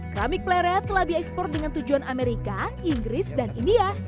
keramik pleret telah diekspor dengan tujuan amerika inggris dan india